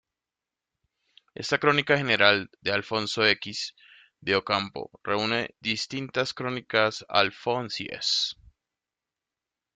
Esta "Crónica general de Alfonso X" de Ocampo reúne distintas crónicas alfonsíes.